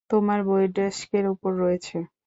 তোমার বই ডেস্কের উপর রয়েছে।